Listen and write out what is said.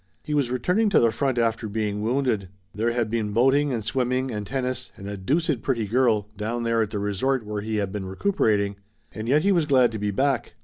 He was returning to the front after being wounded. There had been boating and swimming and tennis and "a deuced pretty girl" down there at the resort where he had been recuperating, and yet he was glad to be back.